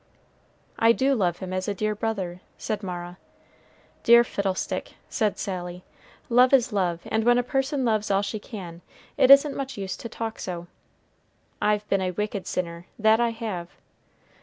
"I do love him as a dear brother," said Mara. "Dear fiddlestick," said Sally. "Love is love; and when a person loves all she can, it isn't much use to talk so. I've been a wicked sinner, that I have.